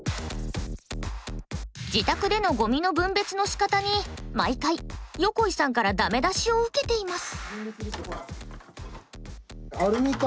自宅でのごみの分別のしかたに毎回横井さんからダメ出しを受けています。